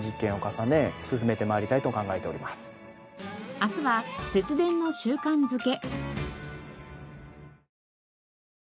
明日は節電の習慣付け。